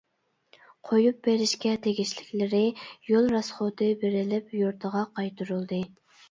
قويۇپ بېرىشكە تېگىشلىكلىرى يول راسخوتى بېرىلىپ يۇرتىغا قايتۇرۇلدى.